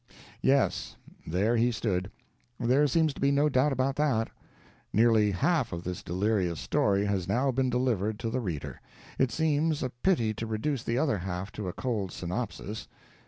Yes; there he stood. There seems to be no doubt about that. Nearly half of this delirious story has now been delivered to the reader. It seems a pity to reduce the other half to a cold synopsis.